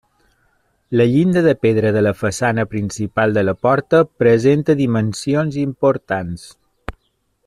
La llinda de pedra de la façana principal de la porta presenta dimensions importants.